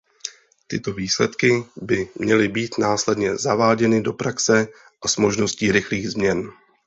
Tyto výsledky by měly být následně zaváděny do praxe a s možností rychlých změn.